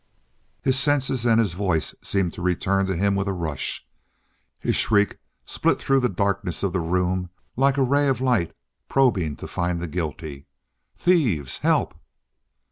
His senses and his voice seemed to return to him with a rush. His shriek split through the darkness of the room like a ray of light probing to find the guilty: "Thieves! Help!"